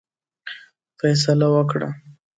فیصله وکړه.